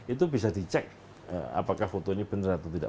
itu bisa dicek apakah fotonya benar atau tidak